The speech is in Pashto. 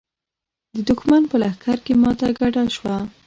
د دښمن په لښکر کې ماته ګډه شوه.